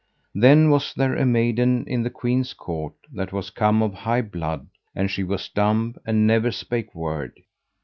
Then was there a maiden in the queen's court that was come of high blood, and she was dumb and never spake word.